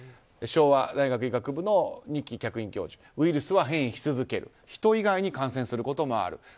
昭和大学医学部の二木客員教授ウイルスは変異し続ける人以外に感染することもある。